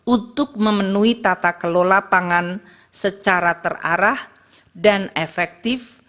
untuk memenuhi tata kelola pangan secara terarah dan efektif